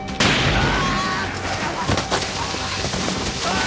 ああ！